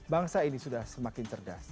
bangsa ini sudah semakin cerdas